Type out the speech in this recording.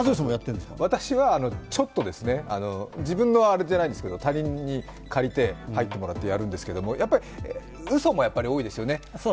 私はちょっと、自分のあれじゃないんですけれども、他人に借りて入ってもらってやるんですけれども、やっぱり、うそも多いですよね。